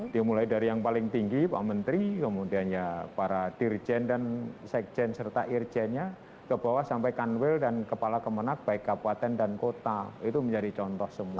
dimulai dari yang paling tinggi pak menteri kemudian ya para dirjen dan sekjen serta irjennya ke bawah sampai kanwil dan kepala kemenang baik kabupaten dan kota itu menjadi contoh semua